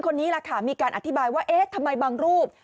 คนนี้ล่ะค่ะมีการอธิบายว่าเอ๊ะทำไมบางรูป